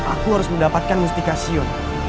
aku harus mendapatkan mustikasion